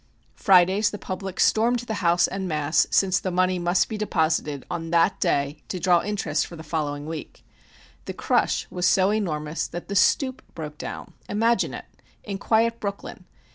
Fridays the public stormed the house en masse, since the money must be deposited on that day to draw interest for the following week. The crush was so enormous that the stoop broke down. Imagine it! In quiet Brooklyn!